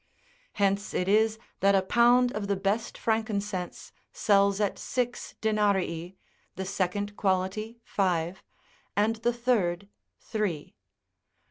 Hence it is that a pound of the best frankincense sells at six denarii, the second quality five, and the third three.